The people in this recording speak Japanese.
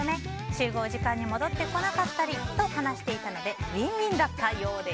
集合時間に戻ってこなかったりと話していたのでウィンウィンだったようです。